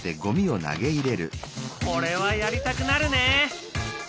これはやりたくなるね。